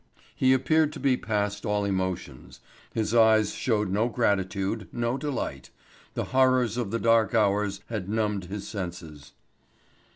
He appeared to be past all emotions. His eyes showed no gratitude, no delight. The horrors of the dark hours had numbed his senses.